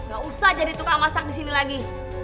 gak usah jadi tukang masak disini lagi